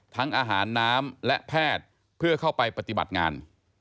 อาหารน้ำและแพทย์เพื่อเข้าไปปฏิบัติงาน